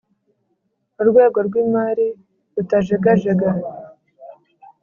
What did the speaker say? urwego rw imari rutajegajega